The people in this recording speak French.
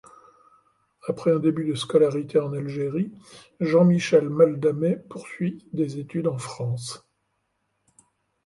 Après un début de scolarité en Algérie, Jean-Michel Maldamé poursuit des études en France.